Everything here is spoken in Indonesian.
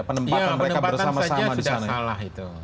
ya penempatan saja sudah salah itu